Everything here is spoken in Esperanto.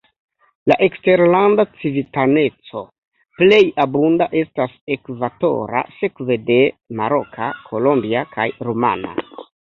La eksterlanda civitaneco plej abunda estas ekvatora, sekve de maroka, kolombia kaj rumana.